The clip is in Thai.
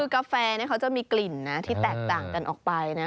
คือกาแฟเขาจะมีกลิ่นนะที่แตกต่างกันออกไปนะ